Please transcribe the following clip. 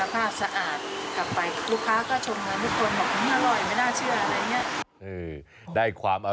เมื่อก่อนใส่เป็นหม้อดินทุกชามนะ